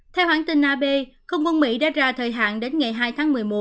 theo hãng tin ab không quân mỹ đã ra thời hạn đến ngày hai tháng một mươi một